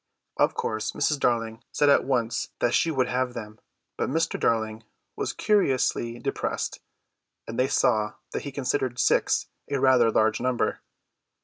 Of course Mrs. Darling said at once that she would have them; but Mr. Darling was curiously depressed, and they saw that he considered six a rather large number.